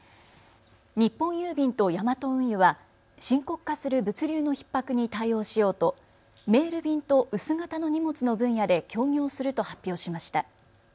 日本郵便とヤマト運輸は深刻化する物流のひっ迫に対応しようとメール便と薄型の荷物の分野で協業すると発表しました。